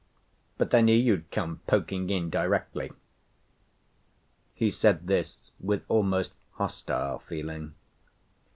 But I knew you'd come poking in directly." He said this with almost hostile feeling.